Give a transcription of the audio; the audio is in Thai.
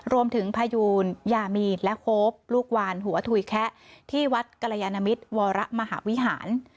พยูนยามีนและโฮปลูกวานหัวถุยแคะที่วัดกรยานมิตรวรมหาวิหาร